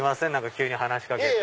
急に話し掛けて。